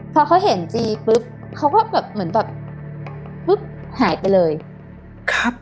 พอเขาเห็นจีปุ๊บเขาก็แบบเหมือนแบบปุ๊บหายไปเลยครับ